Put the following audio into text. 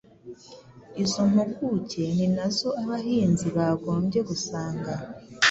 Izo mpuguke ni na zo abahinzi bagombye gusanga,